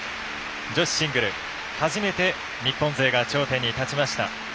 女子シングル初めて日本勢が頂点に立ちました。